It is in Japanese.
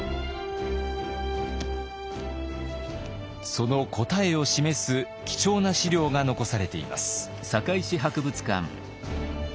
その答えを示す貴重な史料が残されています。